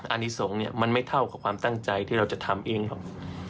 อันนี้สงฆ์เนี่ยมันไม่เท่ากับความตั้งใจที่เราจะทำเองหรอก